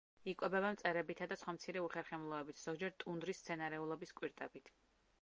იკვებება მწერებითა და სხვა მცირე უხერხემლოებით, ზოგჯერ ტუნდრის მცენარეულობის კვირტებით.